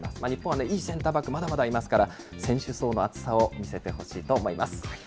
日本はいいセンターバック、まだまだいますから、選手層の厚さを見せてほしいと思います。